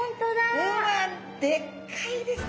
うわっでっかいですね。